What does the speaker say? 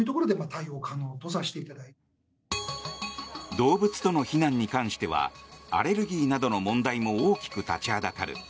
動物との避難に関してはアレルギーなどの問題も大きく立ちはだかる。